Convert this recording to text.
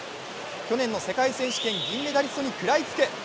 去年の世界選手権銀メダリストに食らいつく。